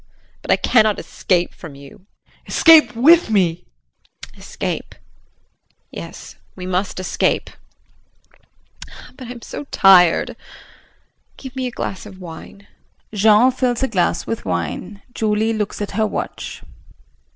But I cannot escape from you. JEAN. Escape with me. JULIE. Escape? Yes, we must escape. But I'm so tired. Give me a glass of wine. [Jean fills a glass with wine, Julie looks at her watch.